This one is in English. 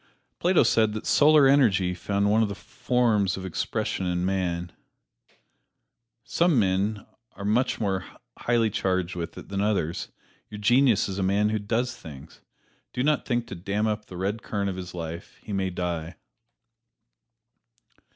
Plato said that Solar Energy found one of its forms of expression in man. Some men are much more highly charged with it than others; your genius is a man who does things. Do not think to dam up the red current of his life he may die.